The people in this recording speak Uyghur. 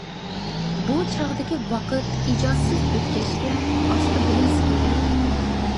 بۇ چاغدىكى ۋاقىت ئىجادسىز ئۆتكەچكە ئاستا بىلىنسە كېرەك.